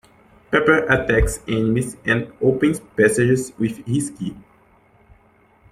Pepper attacks enemies and opens passages with his key.